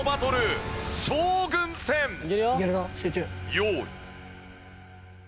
用意。